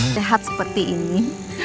sehat seperti ini